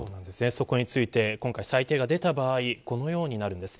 そこについて今回裁定が出た場合このようになるんです。